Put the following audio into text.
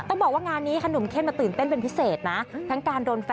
ต้องบอกว่างานนี้ค่ะหนุ่มเข้มมาตื่นเต้นเป็นพิเศษนะ